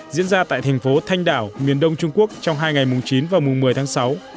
diễn ra tại thành phố thanh đảo miền đông trung quốc trong hai ngày mùng chín và mùng một mươi tháng sáu